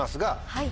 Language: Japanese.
はい。